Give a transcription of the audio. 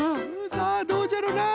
さあどうじゃろうな？